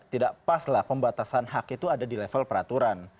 tidak paslah pembatasan hak itu ada di level peraturan